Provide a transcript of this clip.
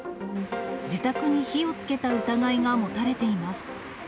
自宅に火をつけた疑いが持たれています。